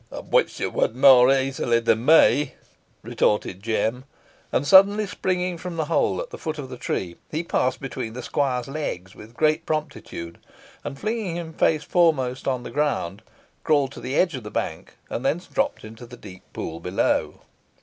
"An' which yo wad more easily than me," retorted Jem. And suddenly springing from the hole at the foot of the tree, he passed between the squire's legs with great promptitude, and flinging him face foremost upon the ground, crawled to the edge of the bank, and thence dropped into the deep pool below.